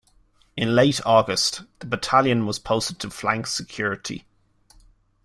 In late August, the Battalion was posted to flank security.